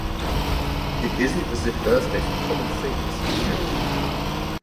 It isn’t as if birthdays were common things, Kerry.